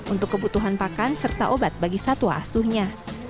untuk kebutuhan pakan serta obat bagi satwa asuhnya